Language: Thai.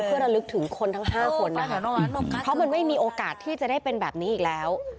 เพื่อระลึกถึงคนทั้ง๕คนนะคะเพราะมันไม่มีโอกาสที่จะได้เป็นแบบนี้อีกแล้ว